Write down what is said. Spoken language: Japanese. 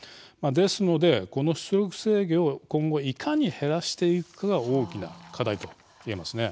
ですので、この出力制御を今後いかに減らしていくかが大きな課題といえますね。